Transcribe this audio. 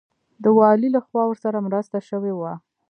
د والي لخوا ورسره مرسته شوې وه.